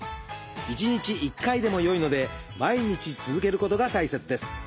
１日１回でもよいので毎日続けることが大切です。